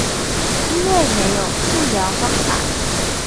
因為沒有治療方法